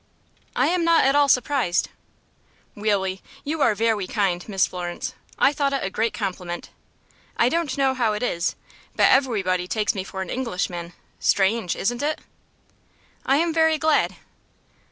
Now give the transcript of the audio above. "I am not at all surprised." "Weally, you are vewy kind, Miss Florence. I thought it a great compliment. I don't know how it is, but evewybody takes me for an Englishman. Strange, isn't it?" "I am very glad."